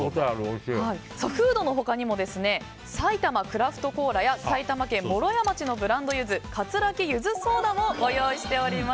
フードのほかにもさいたまクラフトコーラや埼玉県毛呂山町のブランドゆず桂木ゆずソーダもご用意しております。